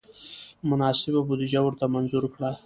مناسبه بودجه ورته منظور کړه.